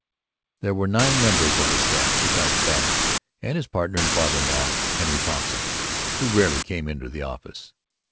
There were nine members of the staff, besides Babbitt and his partner and father in law, Henry Thompson, who rarely came to the office.